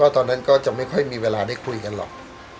ตอนนั้นก็จะไม่ค่อยมีเวลาได้คุยกันหรอก